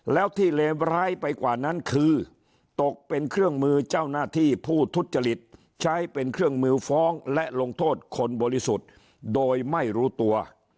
แล้วที่เลวร้ายไปกว่านั้นคือตกเป็นเครื่องมือเจ้าหน้าที่ผู้ทุจริตใช้เป็นเครื่องมือฟ้องและลงโทษคนบริสุทธิ์โดยไม่รู้ตัว